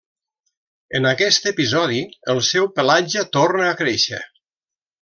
En aquest episodi, el seu pelatge torna a créixer.